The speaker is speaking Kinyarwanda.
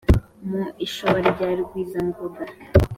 Mu ishoba rya Rugwizangoga